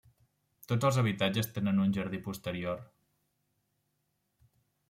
Tots els habitatges tenen un jardí posterior.